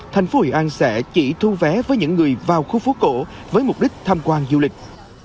thành phố hội an sẽ chỉ thu vé với những người vào khu phố cổ với mục đích tham quan du lịch